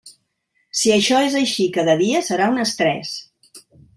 Si això és així cada dia, serà un estrès.